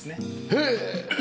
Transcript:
へえ！